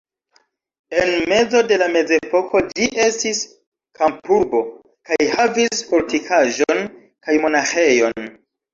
En mezo de la mezepoko ĝi estis kampurbo kaj havis fortikaĵon kaj monaĥejon.